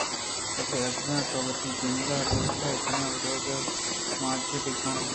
بلے اگاں تو وتی جند ءَ لوتے کنان ءَ وَرَگ ءَ مانچین بِہ کن